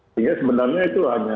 sehingga sebenarnya itu hanya